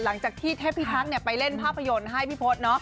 หลังจากที่เทพิทักษ์ไปเล่นภาพยนตร์ให้พี่พศ